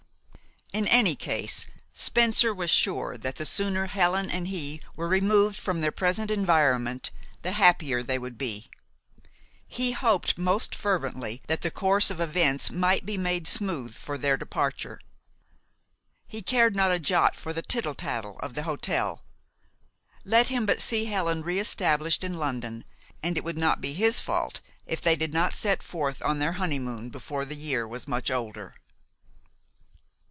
In any case, Spencer was sure that the sooner Helen and he were removed from their present environment the happier they would be. He hoped most fervently that the course of events might be made smooth for their departure. He cared not a jot for the tittle tattle of the hotel. Let him but see Helen re established in London, and it would not be his fault if they did not set forth on their honeymoon before the year was much older.